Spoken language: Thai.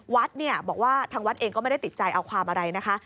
วัดเนี่ยบอกว่าทางวัดเองก็ไม่ได้ติดใจเอาความอะไรนะคะ